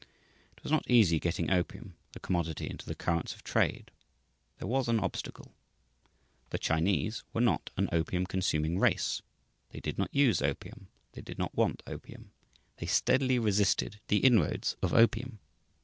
It was not easy getting opium, the commodity, into the currents of trade. There was an obstacle. The Chinese were not an opium consuming race. They did not use opium, they did not want opium, they steadily resisted the inroads of opium.